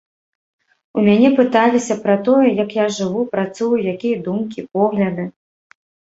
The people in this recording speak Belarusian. У мяне пыталіся пра тое, як я жыву, працую, якія думкі, погляды.